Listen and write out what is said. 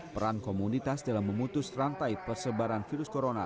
peran komunitas dalam memutus rantai persebaran virus corona